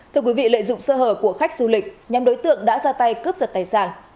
thưa quý vị lợi dụng sơ hở của khách du lịch nhóm đối tượng đã ra tay cướp giật tài sản